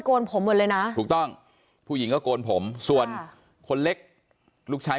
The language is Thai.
นผมหมดเลยนะถูกต้องผู้หญิงก็โกนผมส่วนคนเล็กลูกชาย